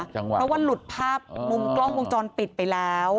เพราะว่าหลุดภาพมุมกล้องวงจรปิดไปแล้ว